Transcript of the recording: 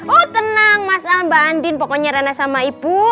oh tenang mas al mbak andi pokoknya rena sama ibu